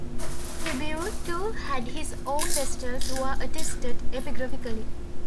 Tibur too had his own vestals who are attested epigraphically.